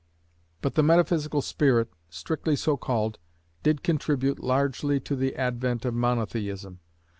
But the Metaphysical spirit, strictly so called, did contribute largely to the advent of Monotheism.